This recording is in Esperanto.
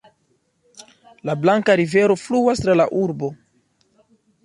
La Blanka Rivero fluas tra la urbo.